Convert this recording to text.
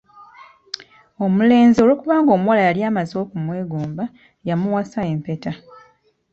"Omulenzi olw’okuba omuwala yali amaze okumwegomba, yamuwasa empeta."